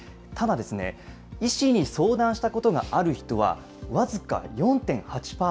ただ、医師に相談したことがある人は僅か４．８％。